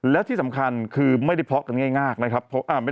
และที่สำคัญคือไม่ได้เพาะกันง่ายนะครับ